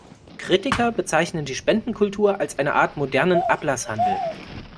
Kritiker bezeichnen die Spendenkultur als eine Art modernen Ablasshandel.